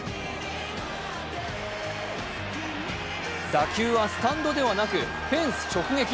打球はスタンドではなくフェンス直撃。